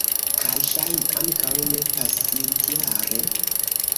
Kaj ŝajne ankaŭ ne pasintjare?